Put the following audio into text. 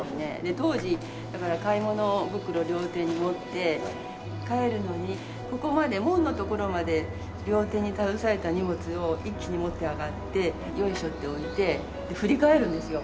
当時だから買い物袋両手に持って帰るのにここまで門の所まで両手に携えた荷物を一気に持って上がってよいしょって置いて振り返るんですよ。